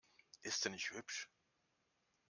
Ist sie nicht hübsch?